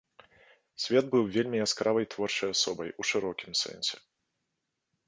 Свет быў вельмі яскравай творчай асобай, у шырокім сэнсе.